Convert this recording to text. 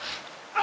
あ！